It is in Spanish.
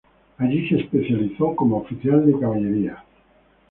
Allí se especializó como oficial de caballería.